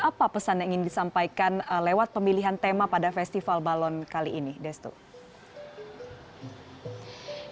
apa pesan yang ingin disampaikan lewat pemilihan tema pada festival balon kali ini destu